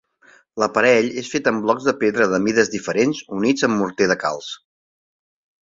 L'aparell és fet amb blocs de pedra de mides diferents units amb morter de calç.